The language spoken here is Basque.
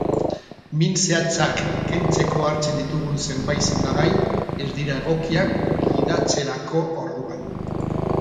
Min zehatzak kentzeko hartzen ditugun zenbait sendagai ez dira egokiak gidatzerako orduan.